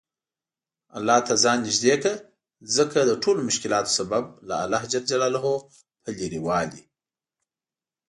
الله ته ځان نیژدې کړه ځکه دټولومشکلاتو سبب له الله ج په لرې والي